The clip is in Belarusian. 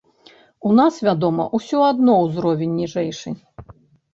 У нас, вядома, усё адно ўзровень ніжэйшы.